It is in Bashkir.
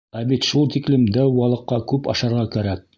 Ә бит шул тиклем дәү балыҡҡа күп ашарға кәрәк.